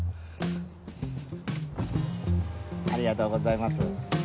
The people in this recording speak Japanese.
ありがとうございます。